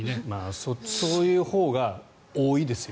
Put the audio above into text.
そういうほうが多いですよ。